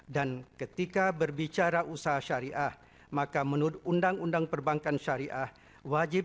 dan ketika berbicara usaha syariah maka menurut undang undang perbankan syariah wajib